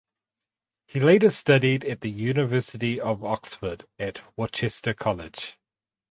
He later studied at the University of Oxford at Worcester College.